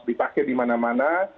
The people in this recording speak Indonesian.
dipakai di mana mana